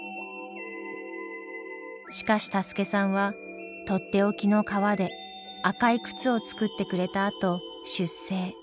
しかしタスケさんはとっておきの革で赤い靴を作ってくれたあと出征。